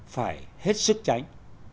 phải hết sức tránh